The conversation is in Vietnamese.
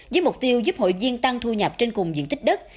với mục tiêu giúp hội viên tăng thu nhập trên cùng diện tích đất